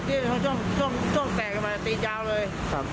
ติดต้องแตกติดยาวเลย